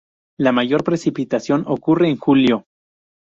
La mayor precipitación ocurre en julio.